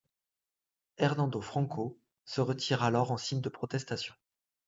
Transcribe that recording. Hernando Franco se retire alors en signe de protestation.